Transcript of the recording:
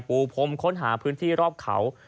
ปูพรมค้นหาพื้นที่รอบเขา